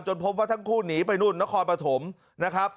พบว่าทั้งคู่หนีไปนู่นนครปฐมนะครับ